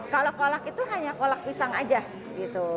kalau kolak itu hanya kolak pisang aja gitu